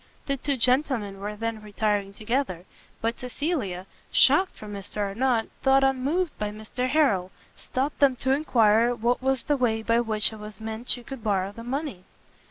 The two gentlemen we then retiring together; but Cecilia, shocked for Mr Arnott, though unmoved by Mr Harrel, stopt them to enquire what was the way by which it was meant she could borrow the money?